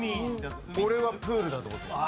俺はプールだと思ってました。